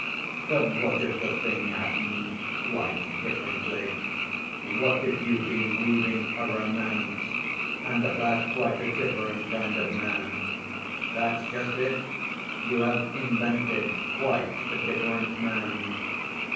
But what if the thing happened quite differently? What if you've been weaving a romance, and about quite a different kind of man? That's just it, you have invented quite a different man!